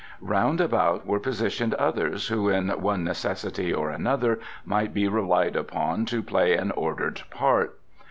Round about were positioned others who in one necessity or another might be relied upon to play an ordered part.